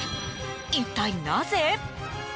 一体、なぜ？